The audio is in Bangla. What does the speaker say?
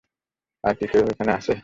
আর কেউ কি এখানে আছে?